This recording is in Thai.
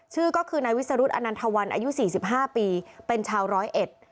ชื่อก็คือนายวิสรุธอนันทวันอายุสี่สิบห้าปีเป็นชาวร้อยเอ็ด